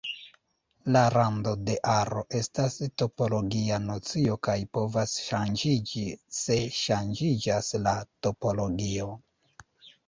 La rando de aro estas topologia nocio kaj povas ŝanĝiĝi se ŝanĝiĝas la topologio.